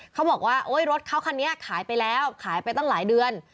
เขาบอกว่าโอ๊ยรถเขาคันนี้ขายไปแล้วขายไปตั้งหลายเดือน